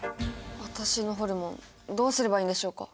私のホルモンどうすればいいんでしょうか？